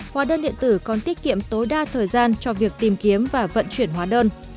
hóa đơn điện tử còn tiết kiệm tối đa thời gian cho việc tìm kiếm và vận chuyển hóa đơn